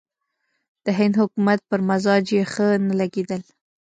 د هند حکومت پر مزاج یې ښه نه لګېدل.